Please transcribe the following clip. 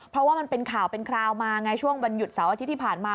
เพราะว่ามันเป็นข่าวเป็นคราวมาไงช่วงวันหยุดเสาร์อาทิตย์ที่ผ่านมา